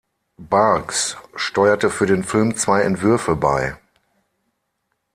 Barks steuerte für den Film zwei Entwürfe bei.